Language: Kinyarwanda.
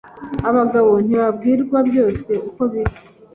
abagabo ntibabwirwa byose uko biri